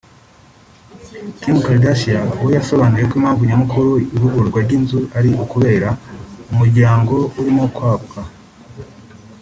Kim Kardashian we yasobanuye ko impamvu nyamukuru y’ivugururwa ry’inzu ari ukubera umuryango urimo kwaguka